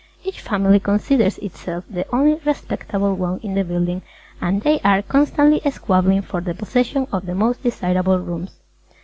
Each family considers itself the only respectable one in the building and they are constantly squabbling for the possession of the most desirable rooms.